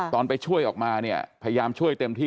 ไปช่วยออกมาเนี่ยพยายามช่วยเต็มที่